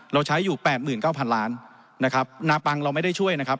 เราใช้อยู่๘๙๐๐๐ล้านบาทนาปังเราไม่ได้ช่วย